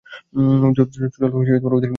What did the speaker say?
চলো, ওদেরকে খুঁজতে হবে।